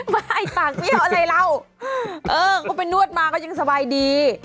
ไม่ปากเปรี้ยวอะไรเราก็ไปนวดมาก็ยังสบายดี